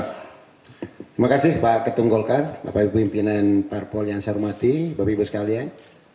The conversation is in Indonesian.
terima kasih pak ketum golkar bapak ibu pimpinan parpol yang saya hormati bapak ibu sekalian